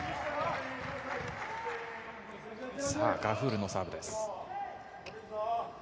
ガフールのサーブです。